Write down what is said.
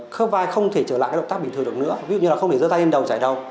khớp vai không thể trở lại động tác bình thường được nữa ví dụ như không thể dơ tay lên đầu trải đầu